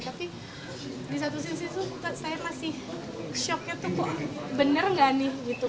tapi di satu sisi tuh saya masih shocknya tuh kok bener gak nih gitu